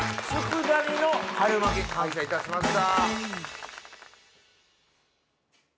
佃煮の春巻き完成いたしました。